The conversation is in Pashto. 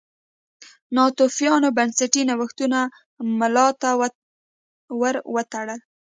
ناتوفیانو بنسټي نوښتونو ملا ور وتړله.